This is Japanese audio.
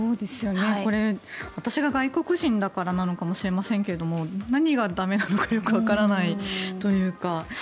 これ、私が外国人だからなのかもしれませんが何が駄目なのかよくわからないというか。